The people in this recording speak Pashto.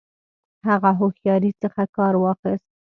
هغه هوښیاري څخه کار واخیست.